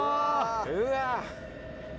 うわ！